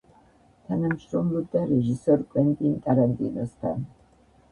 თანამშრომლობდა რეჟისორ კვენტინ ტარანტინოსთან.